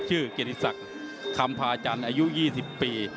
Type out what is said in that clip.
ชื่อเกรียริสักคำพาจันทร์อายุ๒๐ปี